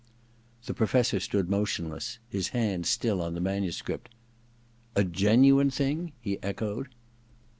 The Professor stood motionless, his hand still on the manuscript. * A genuine thing ?' he echoed.